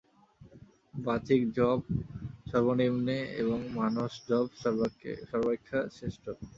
বাচিক জপ সর্বনিম্নে এবং মানস জপ সর্বাপেক্ষা শ্রেষ্ঠ।